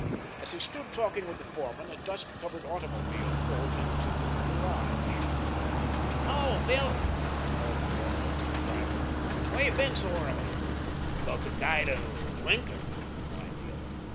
As he stood talking with the foreman a dust covered automobile pulled into the garage. "Hello, Bill," called the foreman to the driver. "Where you been so early?" "Took a guy to Lincoln," replied the other.